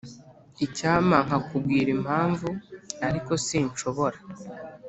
icyampa nkakubwira impamvu, ariko sinshobora.